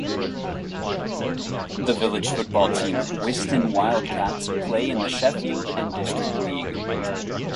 The village football team, Whiston Wildcats, play in the Sheffield and District league.